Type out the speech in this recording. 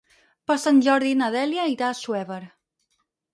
Per Sant Jordi na Dèlia irà a Assuévar.